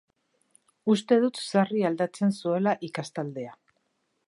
Uste dut sarri aldatzen zuela ikastaldea.